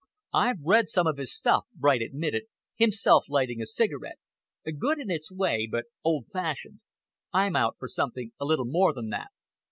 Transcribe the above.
"I've read some of his stuff," Bright admitted, himself lighting a cigarette; "good in its way, but old fashioned. I'm out for something a little more than that."